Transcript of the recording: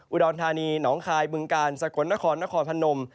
อุดรธานีหนองคายบึงกาลสกลนครนครพนม